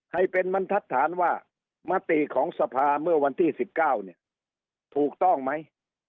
ให้เป็นบรรทัศนว่ามติของสภาเมื่อวันที่๑๙เนี่ยถูกต้องไหม